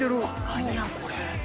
何やこれ。